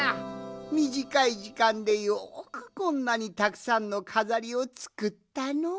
みじかいじかんでよくこんなにたくさんのかざりをつくったのう。